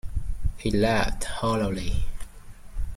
He laughed hollowly.